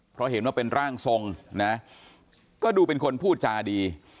เพราะเห็นว่าเป็นร่างทรงนะก็ดูเป็นคนพูดจาดี